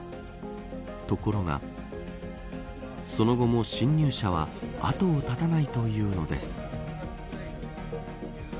ところがその後も侵入者は後を絶たないというのです。